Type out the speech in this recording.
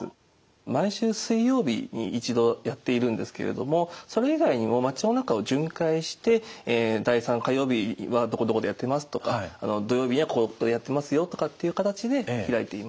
毎週水曜日に１度やっているんですけれどもそれ以外にも町の中を巡回して「第３火曜日はどこどこでやってます」とか「土曜日にはこういうことやってますよ」とかっていう形で開いています。